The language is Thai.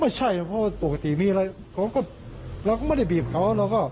ก็ไม่ใช่ปกติเนี่ยเราไม่ได้บีบเขา